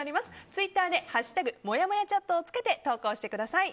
ツイッターで「＃もやもやチャット」をつけて投稿してください。